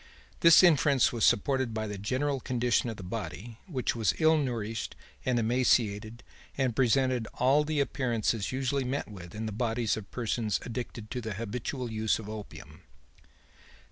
This inference was supported by the general condition of the body, which was ill nourished and emaciated and presented all the appearances usually met with in the bodies of persons addicted to the habitual use of opium.'